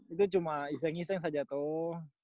itu cuma iseng iseng saja tuh